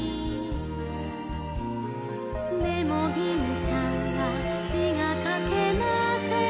「でも銀ちゃんは字が書けません」